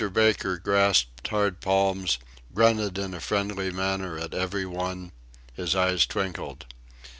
Baker grasped hard palms, grunted in a friendly manner at every one, his eyes twinkled.